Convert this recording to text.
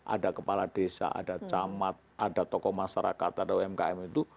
ada kepala desa ada camat ada tokoh masyarakat ada umkm itu